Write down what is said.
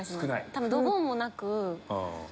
多分ドボンもなく。